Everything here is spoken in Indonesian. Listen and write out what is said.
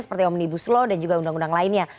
seperti omnibus law dan juga undang undang lainnya